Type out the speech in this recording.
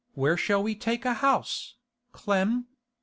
Where shall we take a house, Clem?